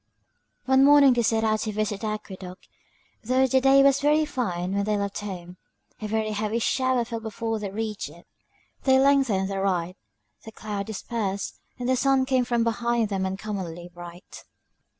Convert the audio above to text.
One morning they set out to visit the aqueduct; though the day was very fine when they left home, a very heavy shower fell before they reached it; they lengthened their ride, the clouds dispersed, and the sun came from behind them uncommonly bright.